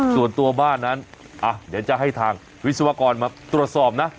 ส่วนตัวบ้านนั้นเดี๋ยวจะให้ทางวิศวกรมาตรวจสอบนะ